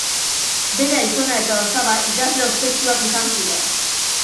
Bere aitona eta osaba idazle ospetsuak izan ziren.